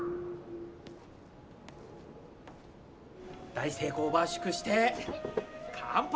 大成功ば祝して乾杯！